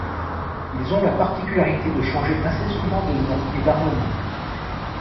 Ils ont la particularité de changer assez souvent de nom et d'armement.